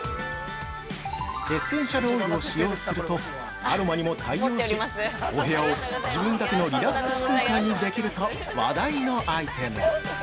エッセンシャルオイルを使用すると、アロマにも対応し、お部屋を自分だけのリラックス空間にできると話題のアイテム！